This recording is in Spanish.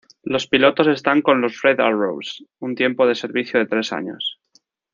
Los pilotos están con los Red Arrows un tiempo de servicio de tres años.